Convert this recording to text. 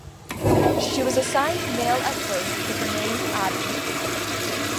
She was assigned male at birth with the name "Adam".